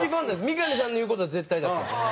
三上さんの言う事は絶対だったんです。